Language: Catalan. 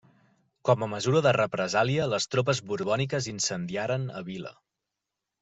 Com a mesura de represàlia les tropes borbòniques incendiaren a vila.